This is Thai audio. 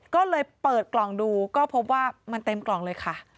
ก็เลยเปิดกล่องดูก็พบว่ามันเต็มกล่องเลยค่ะ